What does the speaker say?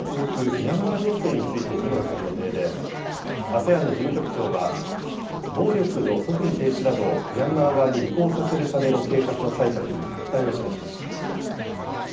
ミャンマー情勢について議論する予定で、ＡＳＥＡＮの事務局長は、暴力の即時停止などをミャンマー側に履行させるための計画の採択に期待を示しました。